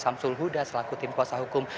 samsul huda selaku tim kuasa hukum